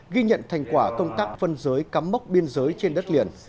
ghi nhận thành quả công tác phân giới cắm mốc biên giới trên đất liền